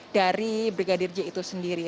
dari brigadir j itu sendiri